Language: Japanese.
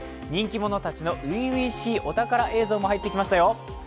人気者たちの初々しいお宝映像も入ってきましたよ。